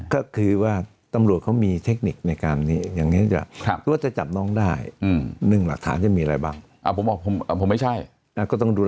ก็คือว่าตัมรวจเขามีเทคนิคในการอย่างนี้ว่าก็จะจับน้องได้นึกหลักฐานจะมีอะไรบ้าง